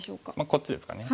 こっちですかね。